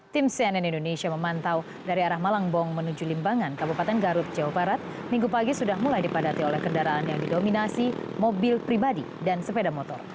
tim cnn indonesia memantau dari arah malangbong menuju limbangan kabupaten garut jawa barat minggu pagi sudah mulai dipadati oleh kendaraan yang didominasi mobil pribadi dan sepeda motor